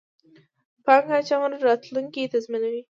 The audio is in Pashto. پانګه اچونه، راتلونکی تضمینوئ